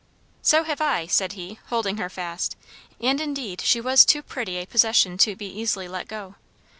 "So have I," said he, holding her fast; and indeed she was too pretty a possession to be easily let go.